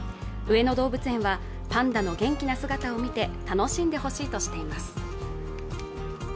上野動物園はパンダの元気な姿を見て楽しんでほしいとしています